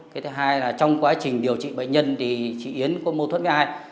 cái thứ hai là trong quá trình điều trị bệnh nhân thì chị yến có mâu thuẫn với ai